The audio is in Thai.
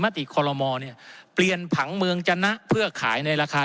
ติคอลโลมอลเนี่ยเปลี่ยนผังเมืองจนะเพื่อขายในราคา